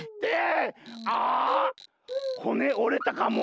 ・あほねおれたかも。